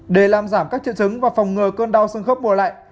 để làm giảm các triệu chứng và phòng ngờ cơn đau xương khớp mùa lạnh